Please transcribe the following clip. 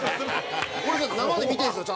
俺それ生で見てるんですよ。